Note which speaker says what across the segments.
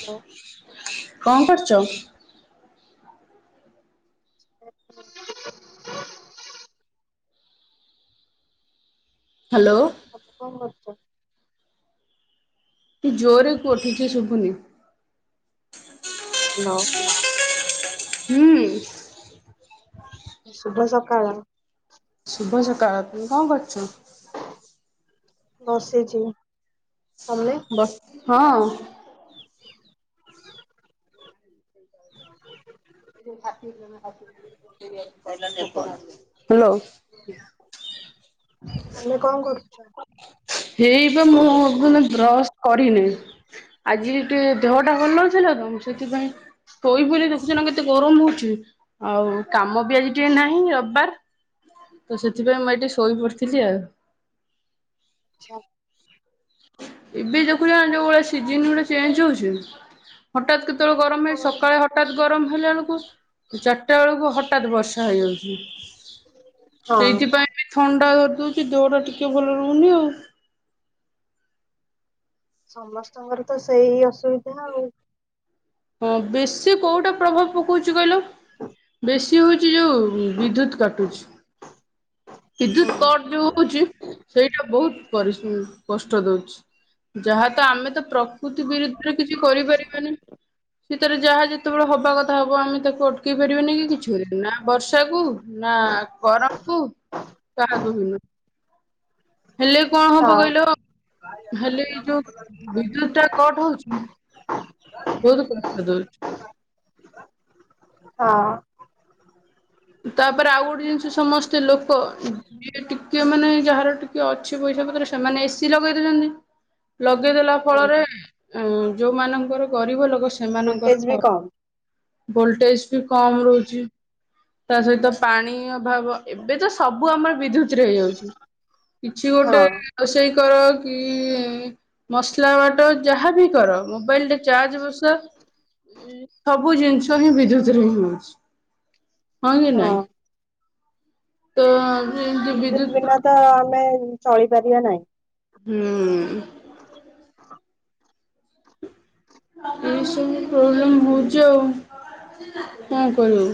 Speaker 1: Hello
Speaker 2: କଣ କରଚ?
Speaker 1: [unintelligible]
Speaker 2: Hello.
Speaker 1: ତମେ କଣ କରୁଚ?
Speaker 2: ଟି ଜୋରରେ ଠିକସେ ଶୁବୁନି।
Speaker 1: ହାଲୋ।
Speaker 2: ହୁଁ।
Speaker 1: ଶୁଭ ସକାଳ।
Speaker 2: ଶୁଭସକାଳ ତୁମେ କଣ କରୁଛୁ।
Speaker 1: ବସିଚି ତମେ?
Speaker 2: ହଁ। [unintelligible] [unintelligible] କହିଲା ନିଅ। ହ୍ୟାଲୋ।
Speaker 1: ତମେ କଣ କରୁଚ?
Speaker 2: ହେଇ ବା ମୁଁ ମାନେ ବ୍ରଶ କରିନି। ଆଜି ଟିକେ ଦେହ ଟା ଭଲ ନଥିଲା ତ ମୁଁ ସେଥିପାଇଁ। ସୋଇପଇଲି ଦେଖୁଚୁ ନା କେତେ ଗରମ ହଉଛି। ଆଉ କାମ ବି ଆଜି ଟିକେ ନାହିଁ ରବିବାର ତ ସେଥିପାଇଁ ମୁଁ ଏଠି ଶୋଇ ପଡ଼ିଥିଲି ଆଉ।
Speaker 1: ଆଛା।
Speaker 2: ଏବେ ଦେଖୁଛ ଯୋଉ ଭଳିଆ ସିଜନ ଗୁଡା ଚେଞ୍ଜ ହଉଛି। ହଠାତ କେତେବେଳେ ଗରମ ହେଇ
Speaker 1: ହଁ
Speaker 2: ସକାଳେ ହଠାତ ଗରମ ହେଲା ବେଳକୁ ଚାରିଟା ବେଳକୁ ହ ହଠତ ବର୍ଷା ହେଇଯାଉଛି ତ
Speaker 1: ହଁ
Speaker 2: ଏଇଥିପାଇଁ ବି ଥଣ୍ଡା ଧଦଉଛି ଦୋଡ ଟିକେ ଟିକେ ଭଲ ରହୁନୀ ଆଉ।
Speaker 1: ସମସ୍ତଙ୍କର ତ ସେଇ ଅସୁବିଧା ଆଉ।
Speaker 2: ହଁ ବେଶୀ କୋଉଟା ପ୍ରଭାବ ପକଉଛି କହିଲ। ବେଶୀ ହଉଛି ଯୋଉ ବିଦ୍ୟୁତ କାଟୁଛି। ବିଦ୍ୟୁତ
Speaker 1: ହଁ
Speaker 2: କଟ ଯୋଉ ହଉଛି ସେଇଟା ବହୁତ କଷ୍ଟ ଦଉଛି। ଯାହା ତ ଆମେ ତ ପ୍ରକୃତି ବିରୁଦ୍ଧରେ କିଛି କରିପାରିବାନି। ସେ ତାର ଯାହା ଯେତେବେଳେ ହବା କଥା ହବ ଆମେ ତାକୁ ଅଟକେଇ ପାରିବାନି କି କିଛି ନା ବର୍ଷାକୁ ନା ଗରମ କୁ। କହାକୁ ଭିନ୍ନ। ହେଲେ କଣ ହବ
Speaker 1: ହଁ
Speaker 2: କହିଲ ହେଲେ ଏଇ ଯୋଉ ବିଦ୍ୟୁତ ଟା କଟ ହଉଛି। ବହୁତ କଷ୍ଟ ଦଉଚି।
Speaker 1: ହଁ।
Speaker 2: ତାପରେ ଆଉ ଗୋଟେ ଜିନିଷ ସମସ୍ତେ ଲୋକ। ଏଇଟା ଟିକେ ମାନେ ଯାହାର ଟିକେ ଅଛି ପଇସା ପତ୍ର ସେମାନେ ଏସିି ଲଗେଇ ଦଉଛନ୍ତି। ଲଗେଇଦେଲା ଫଳରେ
Speaker 1: ହୁଁ।
Speaker 2: ଯୋଉମାନଙ୍କର ଗରିବ ଲୋକ
Speaker 1: ଭୋଲଟେଜ ବି
Speaker 2: ସେମାନଙ୍କର
Speaker 1: କମ୍
Speaker 2: ଭୋଲଟେଜ ବି କମ ରହୁଛି। ତା ସହିତ ପାଣି ଅଭାବ ଏବେ ତ ସବୁ ଆମର ବିଦ୍ୟୁତ ରେ ହେଇଯାଉଛି। କିଛି
Speaker 1: ହଁ
Speaker 2: ଗୋଟେ ରୋଷେଇ କର କି ମସଲା ବାଟ ଯାହାବି କର ମୋବାଇଲ ଚାର୍ଜ ବଷାଅ ସବୁ ଜିନିଷ ହିଁ ବିଦ୍ୟୁତ ରେ ହେଇଯାଉଛି। ହଁଙ୍କି
Speaker 1: ହଁ
Speaker 2: ନାଇଁ ତ ଯେମିତି ବିଦୁ
Speaker 1: ବିଦ୍ୟୁତ ବିନା ତ ଆମେ ଚଳିପାରିବା ନାହିଁ।
Speaker 2: ହୁଁ। ହୁଁ। ଏସବୁ ପ୍ରୋବ୍ଲେମ ହଉଛି ଆଉ କଣ କରିବ।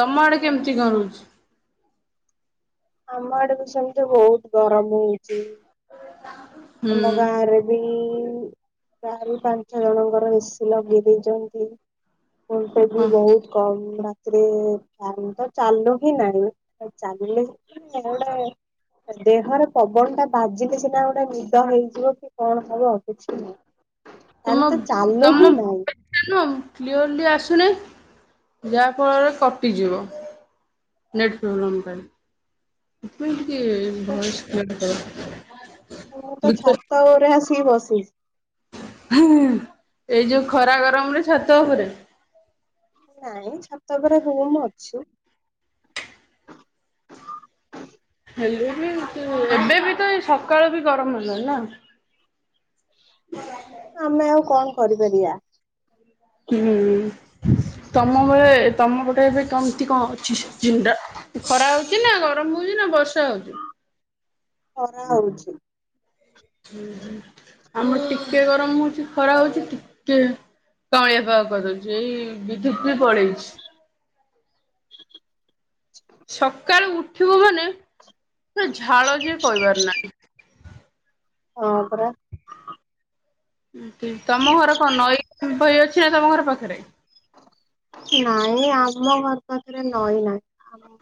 Speaker 2: ତମ ଆଡେ କେମିତି କଣ ରହୁଛି।
Speaker 1: ଆମ ଆଡେ ବି ସେମିତି ବହୁତ ଗରମ ହଉଚି।
Speaker 2: [unintelligible]
Speaker 1: ଆମ ଗାଁରେ ବି ଚାରି ପାଞ୍ଚ ଜଣଙ୍କର ଏ ସିି ଲଗେଇ ଦେଇଚନ୍ତି। ଭୋଲଟେଜ୍ ବି
Speaker 2: ହଁ
Speaker 1: ବହୁତ୍ କମ୍ ରାତିରେ ଫ୍ୟାନ୍ ତ ଚାଲୁ ହିଁ ନାହିଁ ତି ଚାଲେ କିନୁ ଗୋଟେ ଦେହରେ ପବନଟା ବାଜିଲେ ସିନା ଗୋଟେ ନି ଦ ହେଇଯିବ କି କଣ ହବ କିଛି ନାହିଁ। ଫ୍ୟାନ୍ ତ ଚାଲୁ ହିଁ ନାହିଁ।
Speaker 2: ସାନୁ କ୍ଲିଅରଲି ଆସୁନେଇ ଯାହା ଫଳରେ କଟିଯିବ। ନେଟ ପ୍ରୋବ୍ଲେମ ପାଇଁ ଏଥିପାଇଁ ଟିକେ ସେକ୍ସ୍ କ୍ଲିଅର୍ କର।
Speaker 1: ମୁଁ ତ
Speaker 2: ବୁଝ
Speaker 1: ଛାତ ଓପରେ ଆସିକି ବସିଚି।
Speaker 2: ଏଇ ଯୋଉ ଖରା ଗରମରେ ଛାତ ଓପରେ?
Speaker 1: ନାଇଁ ଛାତ ଓପରେ ରୁମ୍ ଅଛି।
Speaker 2: ହେଲେ ବି ଏତେ ଏବେ ବି ତ ଏଇ ସକାଳୁ ବି ଗରମ ହେଲାଣି ନାଁ।
Speaker 1: ଆମେ ଆଉ କଣ କରିପାରିଆ?
Speaker 2: ହୁଁ। ତମ ଘରେ ତମ ପଟେ ଏବେ କେମତି କଁ ଅଛି ସିଜିନ୍ ଟା? ଖରା ହଉଚି ନା ଗରମ ହୋଉଚି ନା ବର୍ଷା ହଉଚି?
Speaker 1: ଖରା ହଉଚି।
Speaker 2: ହୁଁ ହୁଁ ଆମର ଟିକେ ଗରମ ହୋଉଚି ଖରା ହୋଉଚି ଟିକେ କାଉଁଳିଆ ପାଗ କରିଦଉଚି ଏଇ ବିଦ୍ୟୁତ୍ ବି ପଲେଇଚି। ସକାଳୁ ଉଠିବୁ ମାନେ ହେ ଝାଳ ଯେ କଇବାର ନାଇଁ।
Speaker 1: ହଁ ପରା।
Speaker 2: ଉଁ କି ତମ ଘର କଣ ନଈ ଫଇ ଅଛି ନା ତମ ଘର ପାଖରେ?
Speaker 1: ନାଇଁ ଆମ ଘର ପାଖରେ ନଈ ନାହିଁ ଆମ୍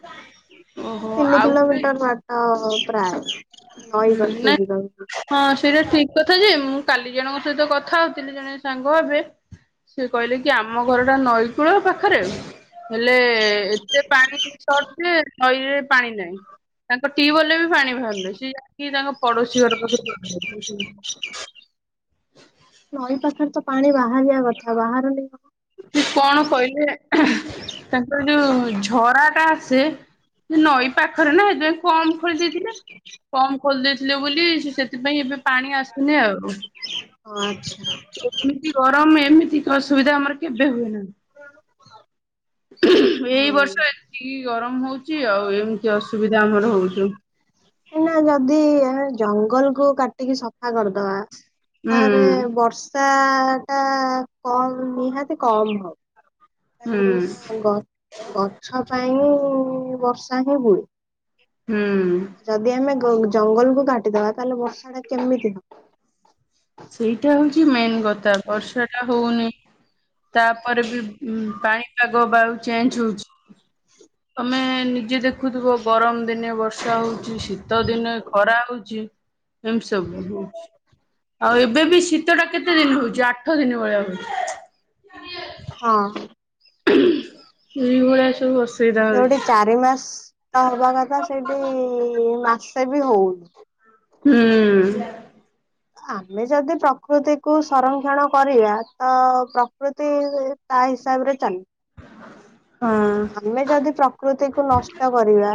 Speaker 1: ହେ
Speaker 2: ଓହୋ
Speaker 1: ତିନି
Speaker 2: ଆଉ ଗୋଟେ
Speaker 1: କିଲୋମିଟର୍ ବା ତ ପ୍ରାୟ ନଈ
Speaker 2: ହୁଁ
Speaker 1: ପାଖକୁ
Speaker 2: ନାଁ
Speaker 1: ଯିବାକୁ
Speaker 2: ହଁ ସେଇଟା ଠିକ୍ କଥା ଯେ ମୁଁ କାଲି ଜଣଙ୍କ ସହିତ କଥା ହଉଥୁଲି ଜଣେ ସାଙ୍ଗ ହେବେ ସିଏ କହିଲେ କି ଆମ ଘରଟା ନଈକୂଳ ପାଖରେ। ହେଲେ ଏତେ ପାଣି ଛଟ୍ ନଈରେ ପାଣି ନାଇଁ ତାଙ୍କ ଟ୍ୟୁବଲରେ ବି ପାଣି ଭାରୁନେଇ। କି ଆକି ତାଙ୍କ ପଡ଼ୋଶୀ ଘର ପାଖୁରୁ ପାଣି ନୋଉଚନ୍ତି‌।
Speaker 1: ନଈ ପାଖରେ ତ ପାଣି ବାହାରିବା କଥା ବାହାରୁନେଇ କଣ?
Speaker 2: ସିଏ କଣ କହିଲେ ତାଙ୍କର ଯୋଉ ଝରାଟା ଆସେ ଯେ ନଈ ପାଖରେ ନାଁ ହେଦେ କମ୍ ଖୋଳି ଦେଇଥିଲେ କମ୍ ଖୋଲି ଦେଇଥିଲେ ବୋଲି ସିଏ ସେଥିପାଇଁ ଏବେ ପାଣି ଆସୁନି ଆଉ।
Speaker 1: ଆଚ୍ଛା
Speaker 2: ଏମିତି ଗରମ ଏମିତି ଅସୁବିଧା ଆମର କେବେ ହୁଏନା।
Speaker 1: ସୁନା ମୁଠେ ପଲାଅ।
Speaker 2: ଏଇ ବର୍ଷ ଏତିକି ଗରମ ହଉଚି ଆଉ ଏମିତି ଅସୁବିଧା ଆମର ହଉଚୁ।
Speaker 1: ଏନା ଯଦି ଜଙ୍ଗଲକୁ କାଟିକି ସଫା କରିଦବା
Speaker 2: ହୁଁ
Speaker 1: ଆରେ ବର୍ଷାଟା କମ୍ ନିହାତି କମ୍ ହ
Speaker 2: ହୁଁ
Speaker 1: କାହିଁକି ନା ଗ ଗଛ ପାଇଁ ବର୍ଷା ହିଁ ହୁଏ।
Speaker 2: ହୁଁ।
Speaker 1: ଯଦି ଆମେ ଗୋ ଜଙ୍ଗଲକୁୁ କାଟିଦବା ତାଲେ ବର୍ଷାଟା କେମିତି ହ
Speaker 2: ସେଇଟା ହଉଛି ମେନ୍ କଥା ବର୍ଷା ଟା ହଉନି। ତାପରେ ବି ପାଣିପାଗ ବାୟୁ ଚେଞ୍ଜ ହଉଛି। ତମେ ନିଜେ ଦେଖୁଥିବ ଗରମ ଦିନେ ବର୍ଷା ହଉଛିି ଶୀତ ଦିନେ ଖରା ହଉଛି। ଏମ ସବୁ। ଆଉ ଏବେ ବି ଶୀତ ଟା କେତେ ଦିନ ହଉଛି ଆଠ ଦିନ ଭଳିଆ ହଉଛି।
Speaker 1: ହଁ।
Speaker 2: ହୁଁ ସେଇଭଳିଆ ସବୁ ଅସୁ
Speaker 1: ଯୋଉଠି ଚାରି ମାସ ଶୀତ ହବା କଥା ସେଇଠି ମାସେ ବି ହଉନି।
Speaker 2: ହୁଁ।
Speaker 1: ଆମେ ଯଦି ପ୍ରକୃତିକୁୁ ସଂରକ୍ଷଣ କରିବା ତ ପ୍ରକୃତି ତା ହିସାବ ରେ ଚାଲେ।
Speaker 2: [unintelligible]
Speaker 1: ଆମେ ଯଦି ପ୍ର ପ୍ରକୃତିକୁ ନଷ୍ଟ କରିବା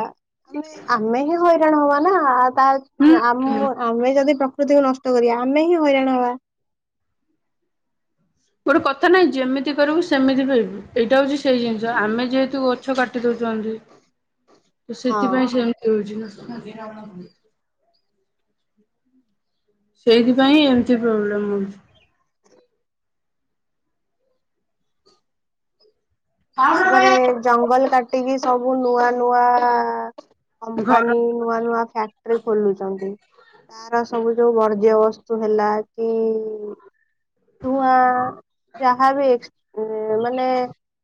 Speaker 1: ଆମେ ଆମେ ହିଁ ହଇରାଣ ହବା ନା। ତା
Speaker 2: ହୁଁ
Speaker 1: ଆମ ଆମେ ଯଦି ପ୍ରକୃତିକୁ ନଷ୍ଟ କରିବା ଆମେ ହିଁ ହଇରାଣ ହବା।
Speaker 2: ଗୋଟେ କଥା ନାହିଁ ଯେମିତି କରିବୁ ସେମିତି ପାଇବୁ। ଏଇଟା ହଉଛି ସେଇ ଜିନିଷ ଆମେ ଯେହେତୁ ଗଛ କାଟି ଦଉଚନ୍ତି।
Speaker 1: [inaudible]
Speaker 2: ତ
Speaker 1: ହଁ
Speaker 2: ସେଥି ପାଇଁ ସେମିତି ହଉଚି। ସେଇଥିପାଇଁ ଏମିତି ପ୍ରୋବ୍ଲେମ ହୁଏ। ହଁ।
Speaker 1: ତାପରେ ଜଙ୍ଗଲ କାଟିକି ସବୁ ନୂଆ ନୂଆ ଆ ଆ
Speaker 2: ଘର
Speaker 1: କମ୍ପାନୀ। ନୂଆ ନୂଆ ଫ୍ୟାକ୍ଟ୍ରି ଖୋଲୁଚନ୍ତି। ତାର ସବୁ ଯୋଉ ବର୍ଜ୍ୟ ବସ୍ତୁ ହେଲା କି ଧୂଆଁ ଯାହା ବି ଏ୍ସ ମାନେ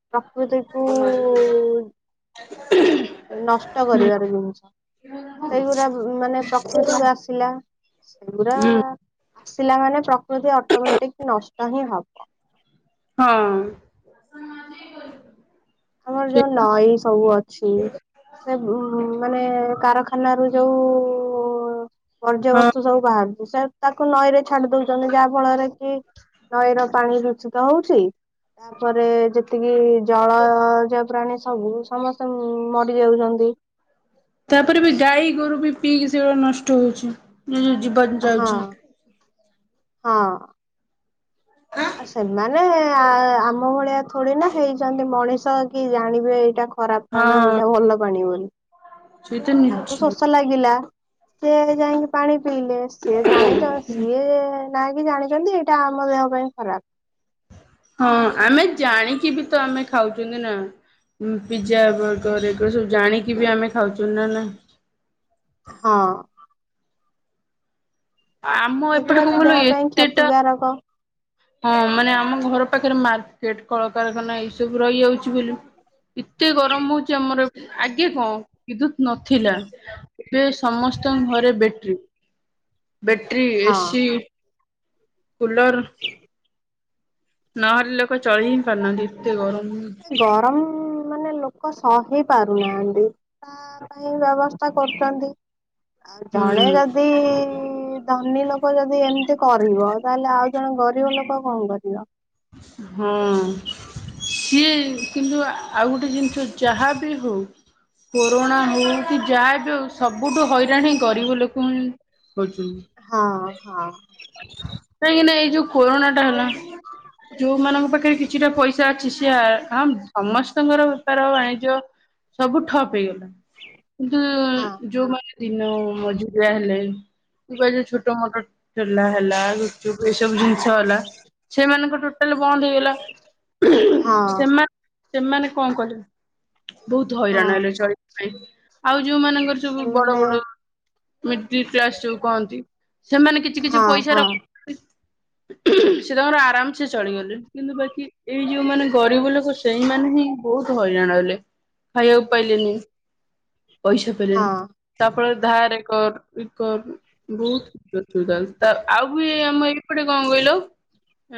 Speaker 1: ପ୍ରକୃତିକୁ ଉ -ଊ -ଉ
Speaker 2: [unintelligible]
Speaker 1: ନଷ୍ଟ କରିବାର ନୁହେଁ। ସେଇଗୁରା ମାନେ ପ୍ରକୃତିକୁ ଆସିଲା ସେଇ ଗୁଡା ଆ
Speaker 2: ହୁଁ
Speaker 1: ଆ ଆସିଲା ମାନେ ପ୍ରକୃତି ଅଟୋମେଟିକ ନଷ୍ଟ ହିଁ ହବ।
Speaker 2: ହଁ।
Speaker 1: ଆମର ଯୋଉ
Speaker 2: ସେଇପା
Speaker 1: ନଈ ସବୁ ଅଛି। ସେ ଉଁ ମାନେ କାରଖାନରୁ ଯୋଉ ଉ-ଉ-ଉ
Speaker 2: ହଁ
Speaker 1: ବର୍ଜବସ୍ତୁ ସବୁ ବାହାରୁଚି ସେ ତାକୁ ନଈ ରେ ଛାଡି ଦଉଚନ୍ତି ଯାହା ଫଳରେ କି ନଈ ର ପାଣି ଦୂଷିତ ହଉଚି। ତାପରେ ଯେ ଏତିକି ଜଳଜ ପ୍ରାଣୀ ସବୁ ସମସ୍ତେ ମରି ଯାଉଛନ୍ତି।
Speaker 2: ତାପରେ ବି ଗାଈ ଗୋରୁ ବି ପିଇକି ସେଇଗୁଳା ନଷ୍ଟ ହଉଛି ନି ଜୀବନ
Speaker 1: ହଁ
Speaker 2: ଯାଉଚି।
Speaker 1: ହଁ।
Speaker 2: ଆଁ
Speaker 1: ସେମାନେ ଆ ଆମ ଭଳିଆ ଥୋଡି ନା ହେଇଚନ୍ତି ମଣିଷ କି ଜାଣିବେ ଏଇଟା କ ଖରାପ ପାଣି
Speaker 2: ହଁ
Speaker 1: ଏଇଟା ଭଲ ପାଣି ବୋଲି।
Speaker 2: ସେଇତ ନିଜ
Speaker 1: ତାଙ୍କୁ ଶୋଷ ଲାଗିଲା ସେ ଯାଇଁକି ପାଣି ପିଇଲେ। ସିଏ ଜାଣିଚ ସିଏ ନା କି ଜାଣିଛନ୍ତି ଏଇଟା ଆମ ଦେହ ପାଇଁ ଖରାପ।
Speaker 2: ହଁ ଆମେ ଜାଣିକି ବି ତ ଆମେ ଖାଉଚୁନ୍ତି ନା। ପିଜା ବର୍ଗର ଏଗୁଡା ସବୁ ଜାଣିକି ବି ଆମେ ଖାଉଛୁ ନା ନାଇ।
Speaker 1: ହଁ।
Speaker 2: ଆମ ଏପଟେ କଣ କହିଲୁ ଏତେଟା
Speaker 1: କାରକ।
Speaker 2: ହଁ ମାନେ ଆମ ଘର ପାଖରେ ମାର୍କେଟ, କଳକରଖାନା ଏଇ ସବୁ ରହିଯାଉଚି ବୋଲି ଏତେ ଗରମ ହଉଛି ଆମର ଆଗେ କଣ ବିଦ୍ୟୁତ ନଥିଲା। ଏବେ ସମସ୍ତଙ୍କ ଘରେ ବେଟ୍ରି, ବେଟ୍ରି,
Speaker 1: ହଁ
Speaker 2: ଏସି କୁଲର, ନହେଲେ ଲୋକ ଚଳି ହିଁ ପାରୁନାହାନ୍ତି। ଏତେ ଗରମ ହଉଚି।
Speaker 1: ଗରମ ମାନେ ଲୋକ ସହି ପାରୁନାହାନ୍ତି। ଆ ପାଇଁ ବ୍ୟବସ୍ଥା କରୁଛନ୍ତି। ଆଉ
Speaker 2: ହୁଁ
Speaker 1: ଜଣେ ଯଦି ଦ ଧନୀ ଲୋକ ଯଦି ଏମିତି କରିବ ତାହେଲେ ଆଉ ଜଣେ ଗରିବ ଲୋକ କଣ କରିବ।
Speaker 2: ହଁ। ସିଏ କିନ୍ତୁ ଆଉ ଗୋଟେ ଜିନିଷ ଯାହା ବି ହଉ କୋରୋନା ହଉ କି ଯାହା ବି ହଉ, ସବୁଠୁ ହଇରାଣ ଗରିବ ଲୋକ ହିଁ
Speaker 1: ହଁ, ହଁ।
Speaker 2: କାହିଁକିନା ଏଇ ଯୋଉ କୋରୋନା ଟା ହେଲା ଯୋଉମାନଙ୍କ ପାଖରେ କିଛିଟା ପଇସା ଅଛି ସି ଆ ହଁ ସମସ୍ତଙ୍କର ବେପାର ବାଣିଜ୍ୟ ସବୁ ଠପ୍ ହେଇଗଲା।
Speaker 1: ହଁ
Speaker 2: କିନ୍ତୁ ଯୋଉଁମାନେ ଦିନ ମଜୁରିଆ ହେଲେ କିବା ଯୋଉ ଛୋଟ ମୋଟ ଚୁଲା ହେଲା, ଗୁପଚୁପ ହେଲା, ଏ ସବୁ ଜିନିଷ ହେଲା।
Speaker 1: [inaudible]
Speaker 2: ସେମାନଙ୍କ ଟୋଟାଲି ବନ୍ଦ ହେଇଗଲା।
Speaker 1: ହଁ
Speaker 2: ସେମା ସେମାନେ କଣ କଲେ ବହୁତ
Speaker 1: ହଁ
Speaker 2: ହଇରାଣ ହେଲେ ଚଳିବା ପାଇଁ। ଆଉ ଯୋଉମାନାନଙ୍କର ସବୁ ବଡ
Speaker 1: ସେମାନେ
Speaker 2: ବଡ ମିଡ କ୍ଲାସ ଯୋଉ କହନ୍ତି। ସେମାନେ କିଛି କିଛି ପଇସା ର ହଁ, ଉୁଁ। ସେ ତାଙ୍କର ଆରାମ ସେ ଚଳିଗଲେ। କିନ୍ତୁ ବାକି ଏଇ ଯୋଉମାନେ ଗରିବ ଲୋକ ସେଇମାନେ ହିଁ ବହୁତ ହଇରାଣ ହେଲେ। ଖାଇବାକୁ ପାଇଲେନି ପଇସା
Speaker 1: ହଁ
Speaker 2: ପାଇଲେନି। ତାହା ଫଳରେ ଧାରର କର, କର ବହୁତ ଅସୁବିଧା ହଉଚି। ଆଉ ବି ଆମ ଏପଟେ କଣ କହିଲ?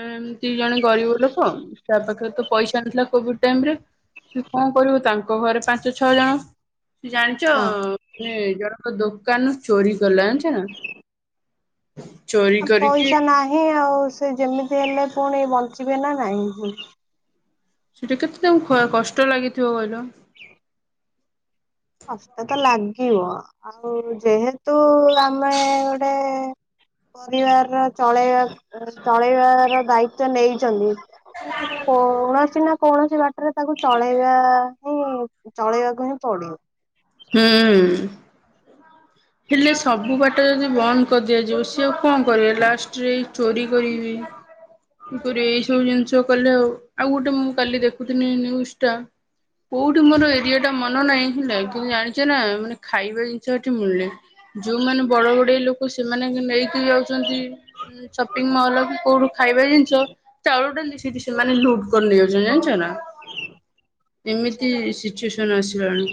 Speaker 2: ଏମତି ଜଣେ ଗରିବ ଲୋକ ତା ପାଖରେ ତ ପଇସା ନଥିଲା କୋଭିଡ ଟାଇମରେ ସେ କଣ କରିବ ତାଙ୍କ ଘରେ ପାଞ୍ଚ ଛଅ ଜଣ ତ ଜାଣିଛ
Speaker 1: ହଁ
Speaker 2: ମାନେ ଜଣକ ଦୋକାନ ଚୋରି କଲା। ଜାଣିଚ?
Speaker 1: ପଇସା ନାହିଁ। ଆଉ ସେ ଯେମିତି ହେଲେ ପୁଣି ବଞ୍ଚିବେ ନା ନାହିଁ।
Speaker 2: ସେଇଟା କେତେ ତାଙ୍କୁ କଷ୍ଟ ଲାଗିଥିବ କହିଲ?
Speaker 1: ହଁ। ହସତ ଲାଗିବ ଆଉ ଯେହେତୁ ଆମେ ଗୋଟେ ପରିବାର ର ଚଳେଇବା ଚଳେଇବାର ଦାୟିତ୍ଵ ନେଇଛନ୍ତି। କୌଣସି ନା କୌଣସି ବାଟରେ ତାକୁ ଚଳେଇବା ହିଁ ଚଳେଇବାକୁ ହିଁ ପଡିବ।
Speaker 2: ହୁଁ। ହେଲେ ସବୁ ବାଟ ଯଦି ବନ୍ଦ କରିଦିଆଯିବ ସିଏ ଆଉ କଣ କରିବେ ଲାଷ୍ଟ ଜେଲ୍ ଚୋରି କରିବି, କିପରି ଏଇ ସବୁ ଜିନିଷ କଲେ ଆଉ। ଆଉ ଗୋଟେ ମୁଁ କାଲି ଦେଖୁିନି ନିନ୍ୟୁଜ ଟା, କୋଉଠି ମୋର ଏରିଆ ଟା ମନ ନାହିଁ ହେଲା କିନ୍ତୁ ଜାଣିଛ, ନା ମାନେ ଖାଇବା ଜିନିଷ ଏଠି ମନି। ଯୋଉମାନୋନ ବଡ ବଡେଇ ଲୋକ ସେମାନେ ନେଇକି ଯାଉଛନ୍ତି। ସପିଂ ମଲ୍ କୋଉଠୁ ଖାଇବା ଜିନିଷ ଚାଉଳ ଟା ସେ ମାନେ ଲୁଟ୍ କରି ନେଇଯାଉଛନ୍ତି ଜାଣିଛ ନା
Speaker 1: ଆଚ୍ଛା
Speaker 2: ଏମିତି ସିଚୁଏସନ ଆସିଲାଣି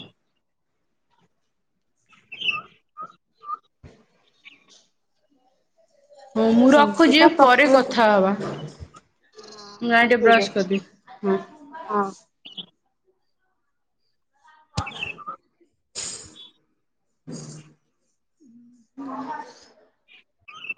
Speaker 1: ହ
Speaker 2: ହଁ ମୁଁ
Speaker 1: ଏମିତି
Speaker 2: ରଖୁଛି
Speaker 1: ତ
Speaker 2: ପରେ
Speaker 1: ପ୍ରକୃତି
Speaker 2: କଥା ହବା। ନା
Speaker 1: ହଉ
Speaker 2: ଏ ଟେ
Speaker 1: ଠିକ
Speaker 2: ବ୍ରଶ
Speaker 1: ଅଛି
Speaker 2: କରିଦିଏ ହଁ।
Speaker 1: ହଁ
Speaker 2: ହ [unintelligible]